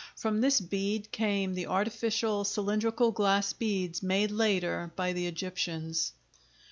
From this bead came the artificial cylindrical glass beads made later by the Egyptians.